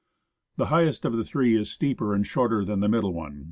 ^ The highest of the three is steeper and shorter than the middle one.